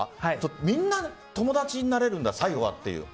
みんな友達になれるんだ、最後はという。